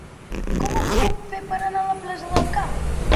Com ho puc fer per anar a la plaça del Camp?